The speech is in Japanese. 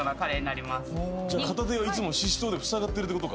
じゃあ片手はいつもシシトウでふさがってるってことか。